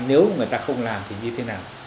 nếu người ta không làm thì như thế nào